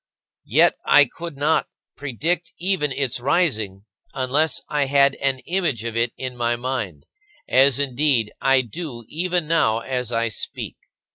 Yet I could not predict even its rising, unless I had an image of it in my mind; as, indeed, I do even now as I speak.